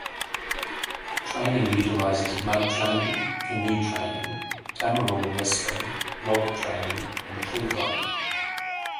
Training utilizes mud training, canoe training, tamaraw wrestling, log training and tree climbing.